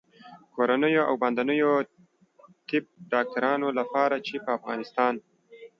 کورنیو او باندنیو طب ډاکټرانو لپاره چې په افغانستان